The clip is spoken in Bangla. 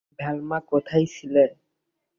ভেলমা, কোথায় ছিলে?